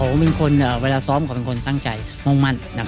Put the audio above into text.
ก้องบอกว่าเวลาซ้อมคุณเป็นคนทั้งใจมงมั่น